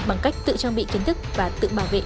bằng cách tự trang bị kiến thức và tự bảo vệ